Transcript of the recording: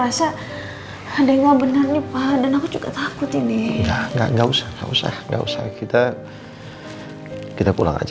face ada yang benar benarrifat dan aku juga takut nih ya nggak usah usah nggak usah usah kita kita pulang aja